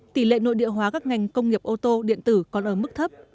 tỷ lệ nội địa hóa các ngành công nghiệp ô tô điện tử còn ở mức thấp